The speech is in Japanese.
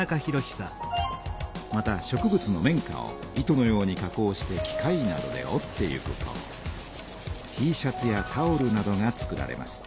また植物の綿花を糸のように加工して機械などでおっていくとＴシャツやタオルなどが作られます。